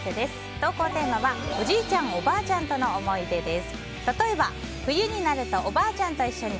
投稿テーマはおじいちゃん・おばあちゃんとの思い出です。